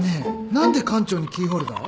何で館長にキーホルダー？